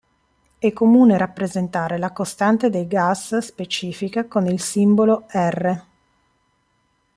È comune rappresentare la costante dei gas specifica con il simbolo "R".